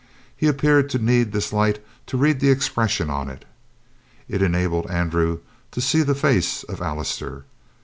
He appeared to need this light to read the expression on it. It also enabled Andrew to see the face of Allister.